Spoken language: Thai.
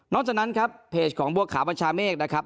จากนั้นครับเพจของบัวขาวบัญชาเมฆนะครับ